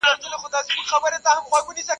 سپي په خپل منځ کي سره خوري، فقير تې سلا يوه وي.